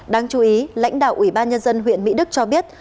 đáng chú ý lãnh đạo ủy ban nhân dân huyện mỹ đức cho biết